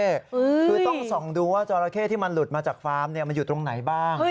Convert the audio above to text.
คือต้องส่องดูว่าจราเข้ที่มันหลุดมาจากฟาร์มมันอยู่ตรงไหนบ้าง